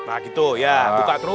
saya pengguna pakde